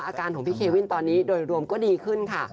อาการของพี่เควินตอนนี้โดยรวมก็ดีขึ้นค่ะ